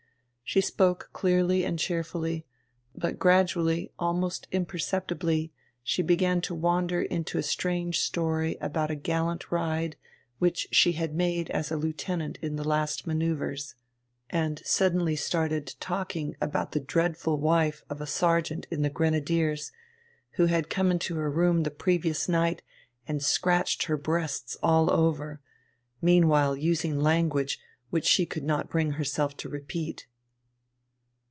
She spoke clearly and cheerfully; but gradually, almost imperceptibly, she began to wander into a strange story about a gallant ride which she had made as a lieutenant in the last manoeuvres, and suddenly started talking about the dreadful wife of a sergeant in the Grenadiers, who had come into her room the previous night and scratched her breasts all over, meanwhile using language which she could not bring herself to repeat.